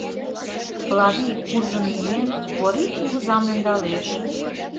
Клавий, куржын миен, Корий кугызам ӧндалеш.